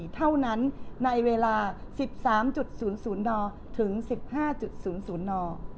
เท่านั้นในเวลา๑๓๐๐ดถึง๑๕๐๐น